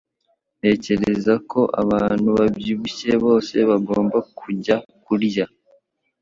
Ntekereza ko abantu babyibushye bose bagomba kujya kurya.